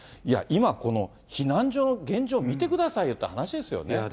いや、今、この避難所の現状見てくださいよって話ですよね。